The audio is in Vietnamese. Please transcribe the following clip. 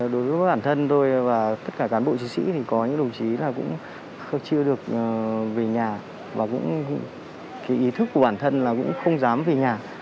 đối với bản thân tôi và tất cả cán bộ chí sĩ thì có những đồng chí cũng chưa được về nhà và ý thức của bản thân là cũng không dám về nhà